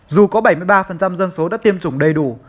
dù có bảy mươi ba dân số đã tiêm chủng đầy đủ